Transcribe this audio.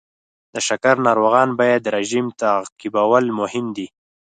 د شکر ناروغان باید رژیم تعقیبول مهم دی.